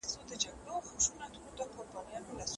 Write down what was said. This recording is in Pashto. د چا سل وه د چا زر كاله عمرونه